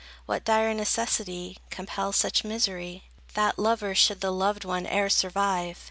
What dire necessity Compels such misery That lover should the loved one e'er survive?